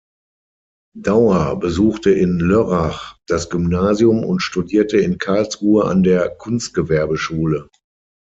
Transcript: Daur besuchte in Lörrach das Gymnasium und studierte in Karlsruhe an der Kunstgewerbeschule.